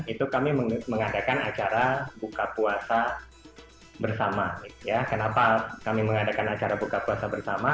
itu kami mengadakan acara buka puasa bersama ya kenapa kami mengadakan acara buka puasa bersama